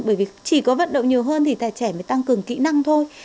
bởi vì chỉ có vận động nhiều hơn thì tài trẻ mới tăng cường kỹ năng thôi